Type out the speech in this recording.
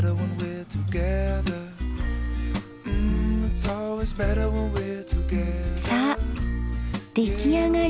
さあ出来上がり。